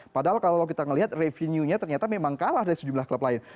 padahal kalau kita melihat revenue nya ternyata memang kalah dari sejumlah klub lain